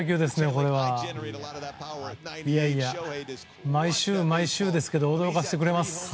これは。毎週毎週ですけど驚かせてくれます。